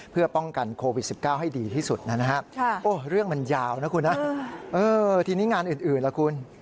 เพื่อป้องกันโควิด๑๙ให้ดีที่สุดนะฮะเรื่องมันยาวนะคุณนะทีนี้งานอื่นล่ะคุณ